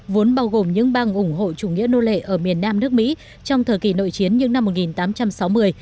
vốn bao gồm những bang ủng hộ chủ nghĩa nô lệ ở miền nam nước mỹ trong thời kỳ nội chiến những năm một nghìn tám trăm sáu mươi